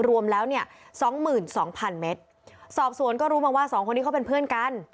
รวมแล้วเนี่ยสองหมื่นสองพันเมตรสอบสวนก็รู้มาว่าสองคนนี้เขาเป็นเพื่อนกัน